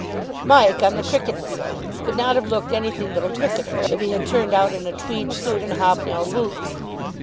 Mike, on the cricket field, could not have looked anything but a cricketer if he had turned out in a tweed suit and hobnail boots.